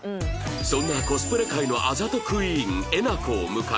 そんなコスプレ界のあざとクイーンえなこを迎え